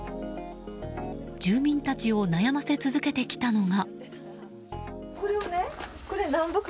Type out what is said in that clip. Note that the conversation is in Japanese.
住民たちを悩ませ続けてきたのが。